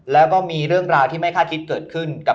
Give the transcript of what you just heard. แล้วก็มีเรื่องราวที่ไม่คาดคิดเกิดขึ้นกับ